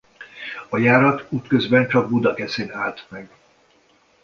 A járat útközben csak Budakeszin állt meg.